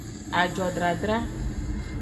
Ajodradra.